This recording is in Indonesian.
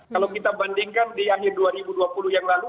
kalau kita bandingkan di akhir dua ribu dua puluh yang lalu